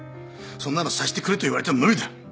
そんなの察してくれと言われても無理だ。